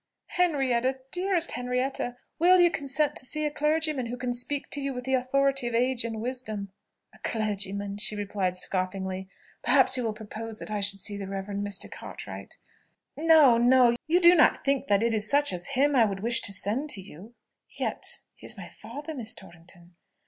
"Henrietta! dearest Henrietta! will you consent to see a clergyman who can speak to you with the authority of age and wisdom?" "A clergyman?" she replied, scoffingly. "Perhaps you will propose that I should see the Reverend Mr. Cartwright?" "No, no. You do not think that it is such as him I would wish to send to you." "Yet he is my father, Miss Torrington.